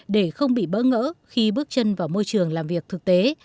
để không bị bỡ ngỡ khi bước chân vào môi trường làm việc thực tế